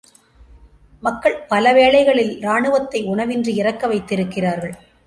மக்கள் பலவேளைகளில் இராணுவத்தை உணவின்றி இறக்க வைத்திருக்கிறார்கள்.